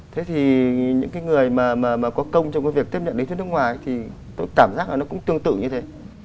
thế thì những cái người mà có công trong cái việc tiếp nhận lý thuyết nước ngoài thì tôi cảm giác là nó cũng tương tự như thế